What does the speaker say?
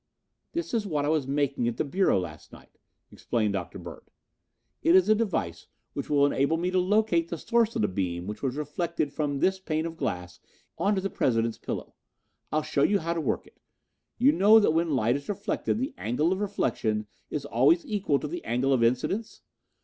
"That is what I was making at the Bureau last night," explained Dr. Bird. "It is a device which will enable me to locate the source of the beam which was reflected from this pane of glass onto the President's pillow. I'll show you how to work it. You know that when light is reflected the angle of reflection always equals the angle of incidence?